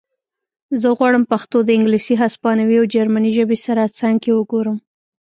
زه غواړم پښتو د انګلیسي هسپانوي او جرمنۍ ژبې سره څنګ کې وګورم